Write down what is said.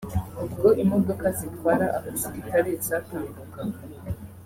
ubwo imodoka zitwara abasirikare zatambukaga